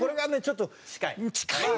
ちょっと近いから！